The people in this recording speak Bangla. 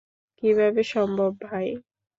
কিভাবে সম্ভব, ভাই।